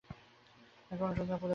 নাকি অনুশোচনায় পুড়ে বাঁচাচ্ছো?